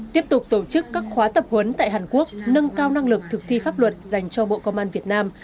tiếp tục tổ chức các khóa tập huấn tại hàn quốc nâng cao năng lực thực thi pháp luật dành cho bộ công an việt nam